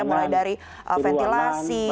mulai dari ventilasi